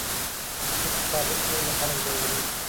اقتصادي ستونزې خلک ځوروي.